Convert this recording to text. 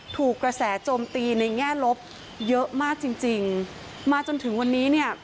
ถูกกระแสโจมตีในแง่ลบเยอะมากจริงจริงมาจนถึงวันนี้เนี่ย